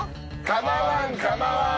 構わん構わん！